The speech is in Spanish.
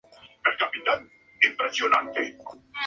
El corto de Park fue el primero del estudio que ganara un Óscar.